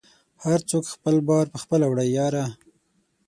هر څوک خپل بار په خپله وړی یاره